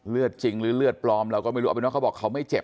จริงหรือเลือดปลอมเราก็ไม่รู้เอาเป็นว่าเขาบอกเขาไม่เจ็บ